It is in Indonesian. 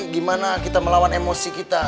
gimana kita melawan emosi kita